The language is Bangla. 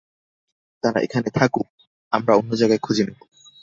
তারা এখানে থাকুক, আমরা অন্য জায়গা খুঁজে নেব।